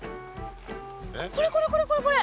これこれこれこれこれ。